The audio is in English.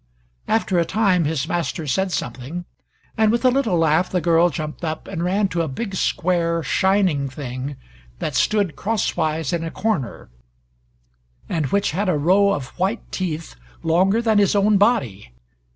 After a time his master said something, and with a little laugh the girl jumped up and ran to a big, square, shining thing that stood crosswise in a corner, and which had a row of white teeth longer than his own body.